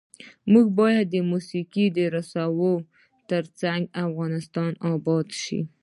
موږ باید موسیقي رسوو ، ترڅو افغانستان اباد شي.